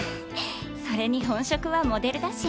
それに本職はモデルだし。